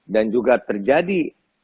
dan juga terjadi